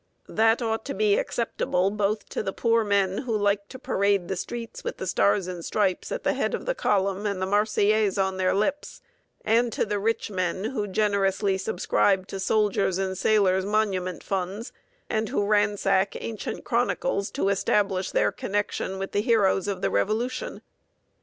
That ought to be acceptable both to the poor men who like to parade the streets with the Stars and Stripes at the head of the column and the Marseillaise on their lips, and to the rich men who subscribe generously to soldiers' and sailors' monument funds, and who ransack ancient chronicles to establish their connection with the heroes of the Revolution.